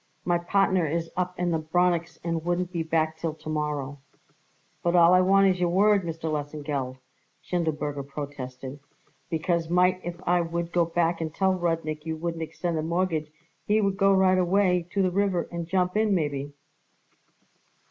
My partner is up in the Bronix and wouldn't be back till to morrow." "But all I want is your word, Mr. Lesengeld," Schindelberger protested, "because might if I would go back and tell Rudnik you wouldn't extend the mortgage he would go right away to the river and jump in maybe."